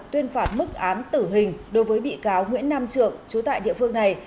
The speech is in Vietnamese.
tuyên phạt mức án tử hình đối với bị cáo nguyễn nam trượng trú tại địa phương này